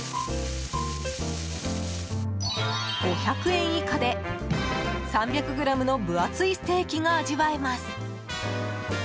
５００円以下で、３００ｇの分厚いステーキが味わえます。